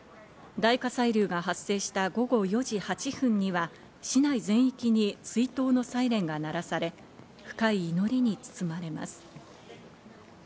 大火砕流が発生した午後４時８分には市内全域に追悼のサイレンが鳴らされ、深い祈りに包まれます。